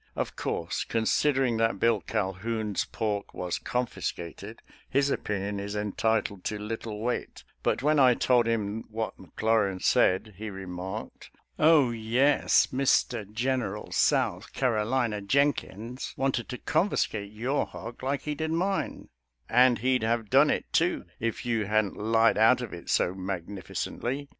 Of course, considering that Bill Calhoun's pork was confiscated, his opinion is entitled to little weight, but, when I told him what McLaurin said, he remarked, " Oh, yes — Mr. General South Carolina Jen kins wanted to confiscate your hog like he did mine, and he'd have done it, too, if you hadn't lied out of it so magnificently.